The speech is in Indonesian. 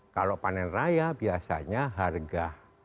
kalau panen raya biasanya harga nggak berapa